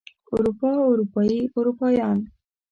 اروپا اروپايي اروپايان